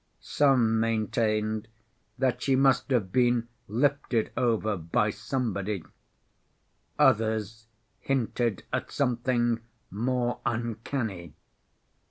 Some maintained that she must have been lifted over by somebody; others hinted at something more uncanny.